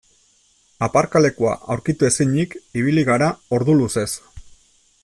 Aparkalekua aurkitu ezinik ibili gara ordu luzez.